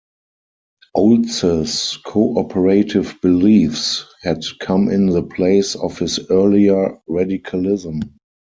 Olds's cooperative beliefs had come in the place of his earlier radicalism.